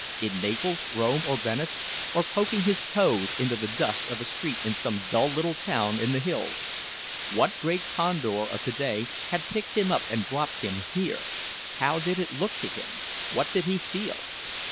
In Naples, Rome or Venice, or poking his toes into the dust of a street in some dull little town in the hills? What great condor of to day had picked him up and dropped him here? How did it look to him? What did he feel?